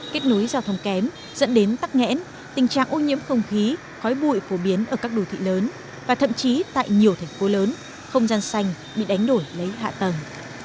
kết nối giao thông kém dẫn đến tắc nghẽn tình trạng ô nhiễm không khí khói bụi phổ biến ở các đồ thị lớn và thậm chí tại nhiều thành phố lớn không gian xanh bị đánh đổi lấy hạ tầng